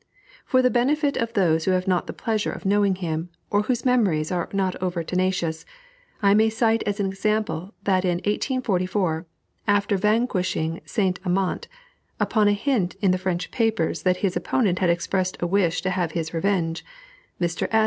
For the benefit of those who have not the pleasure of knowing him, or whose memories are not over tenacious, I may cite as an example that in 1844, after vanquishing St. Amant, upon a hint in the French papers that his opponent had expressed a wish to have his revenge, Mr. S.